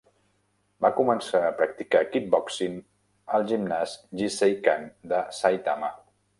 Va començar a practicar kickboxing al gimnàs Jiseikan de Saitama.